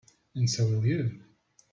And so will you.